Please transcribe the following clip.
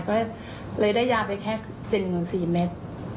ก็เลยได้ยาไปแค่๗ส่วน๔เม็ด